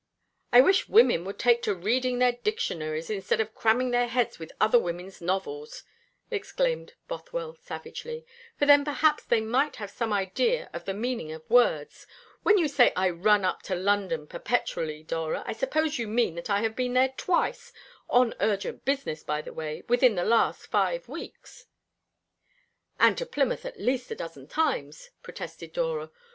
"I wish women would take to reading their dictionaries, instead of cramming their heads with other women's novels," exclaimed Bothwell savagely, "for then perhaps they might have some idea of the meaning of words. When you say I run up to London perpetually, Dora, I suppose you mean that I have been there twice on urgent business, by the way within the last five weeks." "And to Plymouth at least a dozen times," protested Dora.